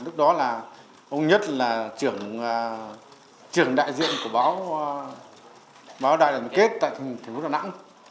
lúc đó ông duy nhất là trưởng đại diện của báo đại đoàn kết tại thành phố đà nẵng